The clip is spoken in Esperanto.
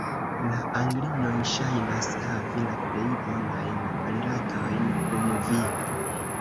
La Anglinoj ŝajnas havi la plej bonajn rilatojn kun vi.